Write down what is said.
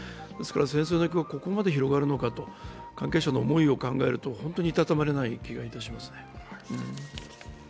戦争の影響がここまで広がるのかと関係者の思いを考えると本当にいたたまれない気がいたしますね。